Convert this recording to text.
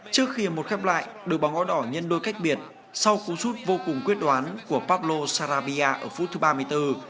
trước khi một khép lại được bóng gói đỏ nhân đôi cách biệt sau cú sút vô cùng quyết đoán của pablo sarabia ở phút thứ ba mươi bốn